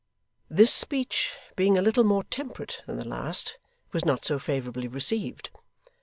This speech being a little more temperate than the last, was not so favourably received.